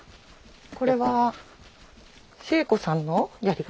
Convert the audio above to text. これは茂子さんのやり方？